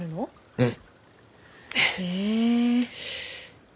うん。